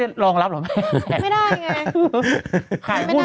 ถูกต้องถูกต้องถูกต้อง